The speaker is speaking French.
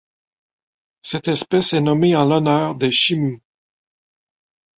Cette espèce est nommée en l'honneur des Chimú.